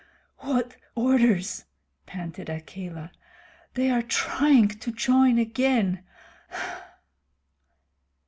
"What orders!" panted Akela. "They are trying to join again."